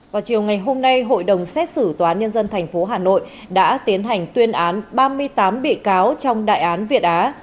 vào chiều ngày hôm nay hội đồng xét xử tòa án nhân dân tp hà nội đã tiến hành tuyên án ba mươi tám bị cáo trong đại án việt á